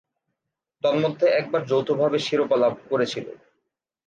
তন্মধ্যে একবার যৌথভাবে শিরোপা লাভ করেছিল।